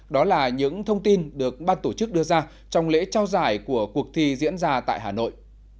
đó là những thông tin được ban tổ chức đưa ra trong lễ trao giải của cuộc thi diễn ra tại hà nội